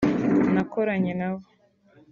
nakoranye nabo